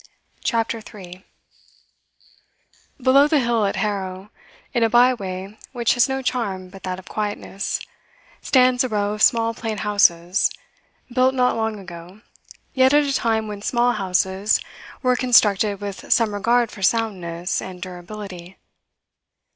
CHAPTER 3 Below the hill at Harrow, in a byway which has no charm but that of quietness, stands a row of small plain houses, built not long ago, yet at a time when small houses were constructed with some regard for soundness and durability.